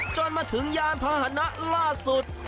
จนมาถึงยานพาหนะล่าสุด